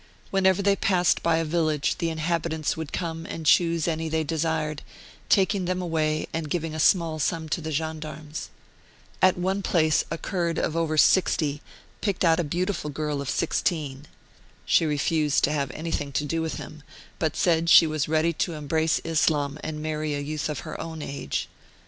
Whenever they passed by a village the inhabitants would come and choose any they desired, taking them away and giving a small sum to the gendarmes. At one place a Kurd of over 60 picked out a beautiful girl of 16. She 'refused to have anything to do with him, but said she was ready to embrace Islam and marry a youth of her own age.